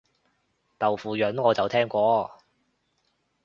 豆腐膶我就聽過